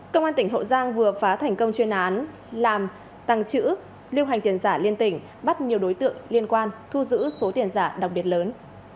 công an tỉnh hậu giang vừa phá thành công chuyên án làm tăng trữ lưu hành tiền giả liên tỉnh bắt nhiều đối tượng liên quan thu giữ số tiền giả đặc biệt lớn